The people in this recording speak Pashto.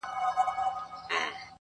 له حاصله یې د سونډو تار جوړیږي -